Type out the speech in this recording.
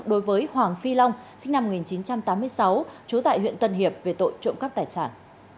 đối với hoàng phi long sinh năm một nghìn chín trăm tám mươi sáu trú tại huyện tân hiệp về tội trộm cắp tài sản